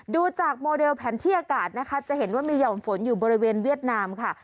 ดูจากโมเดลแผนที่อากาศนะคะจะเห็นว่ามีห่อมฝนอยู่บริเวณเวียดนามค่ะ